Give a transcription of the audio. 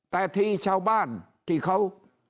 แต่ทีชาวบ้านที่เขา